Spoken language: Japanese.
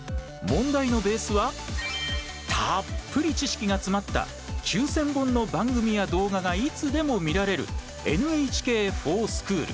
問題のベースはたっぷり知識が詰まった９０００本の番組や動画がいつでも見られるＮＨＫｆｏｒＳｃｈｏｏｌ。